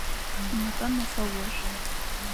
Непэ мэфэ ошӏу.